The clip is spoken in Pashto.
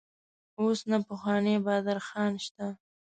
اوس نه پخوانی بادر خان شته.